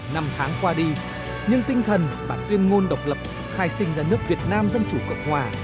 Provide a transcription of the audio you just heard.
năm tháng qua đi nhưng tinh thần bản tuyên ngôn độc lập khai sinh ra nước việt nam dân chủ cộng hòa